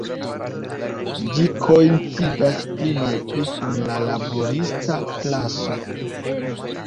Ĝi koincidas pli malpli kun la laborista klaso.